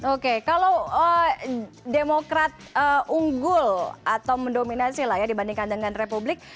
oke kalau demokrat unggul atau mendominasi lah ya dibandingkan dengan republik